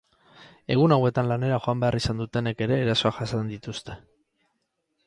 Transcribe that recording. Egun hauetan lanera joan behar izan dutenek ere erasoak jasan dituzte.